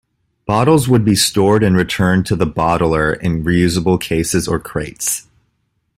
Bottles would be stored and returned to the bottler in reusable cases or crates.